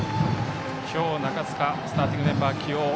今日、中塚スターティングメンバー起用。